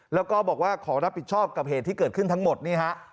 แล้วก็บอกว่าขอรับผิดชอบกับเหตุที่เกิดขึ้นทั้งหมดนี่ฮะ